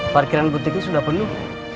parkiran butiknya sudah penuh